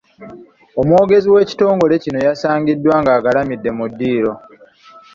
Omwogezi w'ekitongole kino yasangiddwa ng’agalimidde mu ddiiro.